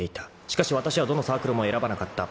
［しかしわたしはどのサークルも選ばなかった］